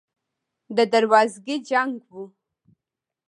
د دروازګۍ جنګ و.